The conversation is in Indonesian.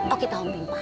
oh kita hombing pak